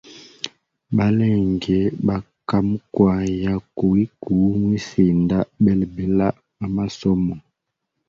Balenge baka mukwayanga kuwiku mwisinda belabela ma masomo.